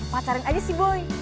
pacarin aja sih boy